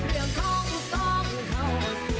เรียงคงต้องกลัวเขา